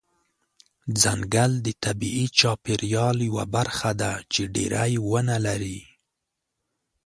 ځنګل د طبیعي چاپیریال یوه برخه ده چې ډیری ونه لري.